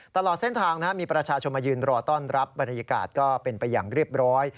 ตลอดเส้นทางมีประชาชนมายืนรอต้อนรับบรรยากาศก็เป็นไปอย่างเรียบร้อย